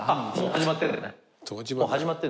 始まってんですね。